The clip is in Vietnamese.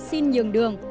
xin nhường đường